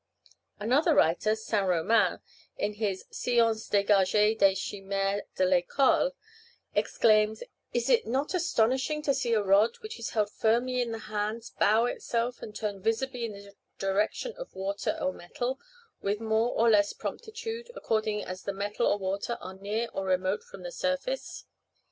Another writer, Saint Romain, in his "Science dégagée des Chimères de l'École," exclaims, "Is it not astonishing to see a rod, which is held firmly in the hands, bow itself and turn visibly in the direction of water or metal, with more or less promptitude, according as the metal or the water are near or remote from the surface!"